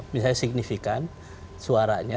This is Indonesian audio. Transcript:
misalnya signifikan suaranya